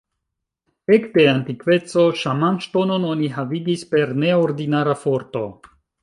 Ekde antikveco Ŝaman-ŝtonon oni havigis per ne ordinara forto.